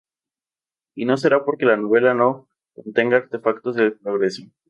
Y no será porque la novela no contenga artefactos del progreso.